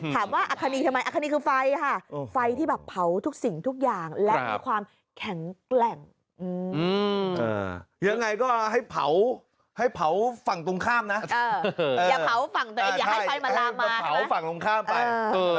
ถามว่าอัคคณีทำไมอัคคณีคือไฟ